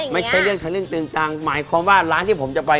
ไม่ใช่เรื่องทะลึ่งตึงตังหมายความว่าร้านที่ผมจะไป